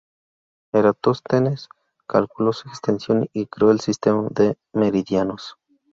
Eratóstenes calculó su extensión y creó el sistema de meridianos.